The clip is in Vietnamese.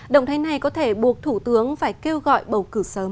động thái này có thể buộc thủ tướng phải kêu gọi bầu cử sớm